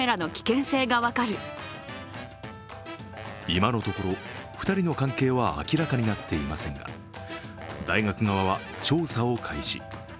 今のところ２人の関係は明らかになっていませんが大学側は調査を開始。